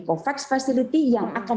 covax facility yang akan